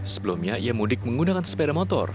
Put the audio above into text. sebelumnya ia mudik menggunakan sepeda motor